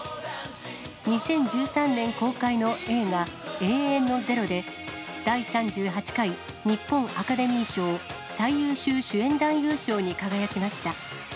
２０１３年公開の映画、永遠の０で、第３８回日本アカデミー賞最優秀主演男優賞に輝きました。